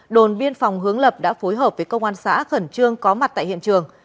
đồn biên phòng hướng lập đã phối hợp với công an xã khẩn trương có mặt tại hiện trường